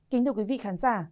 kính thưa quý vị khán giả